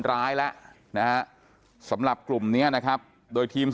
ร้ายละสำหรับกลุ่มเนี้ยนะครับโดยพิมพ์